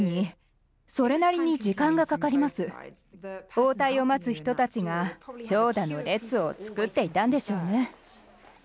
応対を待つ人たちが長蛇の列を作っていたんでしょうね。